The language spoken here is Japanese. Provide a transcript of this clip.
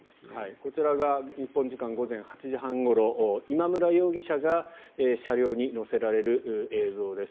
こちらが日本時間午前８時半ごろ今村容疑者が車両に乗せられる映像です。